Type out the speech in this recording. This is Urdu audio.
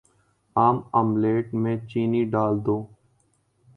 عام آملیٹ میں چینی ڈال دو